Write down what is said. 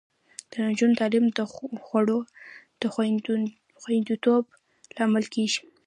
د نجونو تعلیم د خوړو د خوندیتوب لامل کیږي.